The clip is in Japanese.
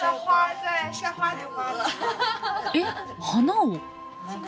えっ花を？